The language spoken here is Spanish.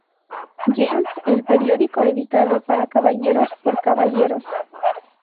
James, el periódico editado "para caballeros por caballeros".